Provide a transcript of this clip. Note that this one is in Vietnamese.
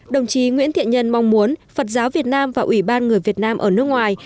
đồng chí nguyễn thiện nhân mong muốn phật giáo việt nam và ủy ban người việt nam ở nước ngoài